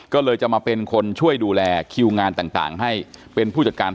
ก็เลยจะมาเป็นคนช่วยดูแลคิวงานต่างให้เป็นผู้จัดการ